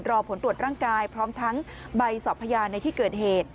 รอผลตรวจร่างกายพร้อมทั้งใบสอบพยานในที่เกิดเหตุ